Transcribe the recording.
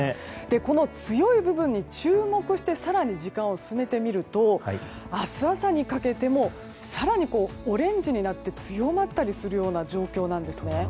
この強い部分に注目して更に時間を進めてみると明日朝にかけても更にオレンジになって強まったりするような状況なんです。